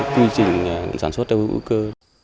quy trình sản xuất theo hữu cơ